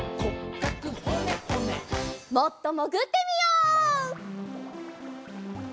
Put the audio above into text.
もっともぐってみよう！